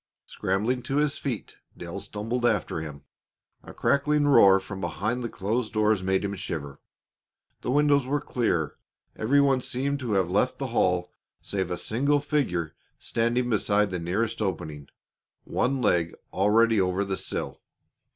Scrambling to his feet, Dale stumbled after him. A crackling roar from behind the closed doors made him shiver. The windows were clear. Every one seemed to have left the hall save a single figure standing beside the nearest opening, one leg already over the sill.